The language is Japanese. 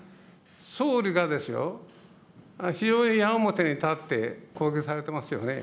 総理が非常に矢面に立って攻撃されてますよね。